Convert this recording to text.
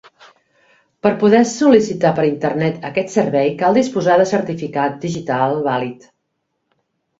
Per poder sol·licitar per Internet aquest servei cal disposar de certificat digital vàlid.